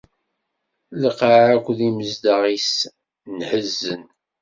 Lqaɛa akked yimezdaɣ-is nhezzen.